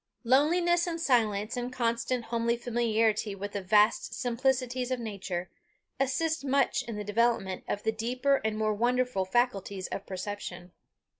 Loneliness and silence, and constant homely familiarity with the vast simplicities of nature, assist much in the development of the deeper and more wonderful faculties of perception.